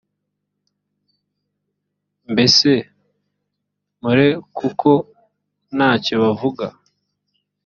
mbese mpore kuko nta cyo bavuga